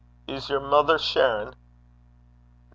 Is yer mither shearin'?' 'Na.